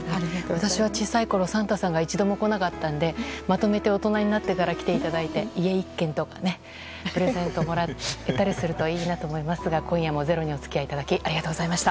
私は小さいころ、サンタさんが一度も来なかったのでまとめて大人になってから来ていただいて家１軒とプレゼントもらったりしたらいいなと思いますが今夜も「ｚｅｒｏ」にお付き合いいただきありがとうございました。